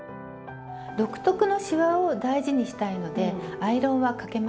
独特のシワを大事にしたいのでアイロンはかけません。